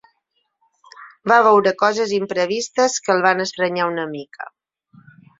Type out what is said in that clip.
Va veure coses imprevistes que el van estranyar una mica.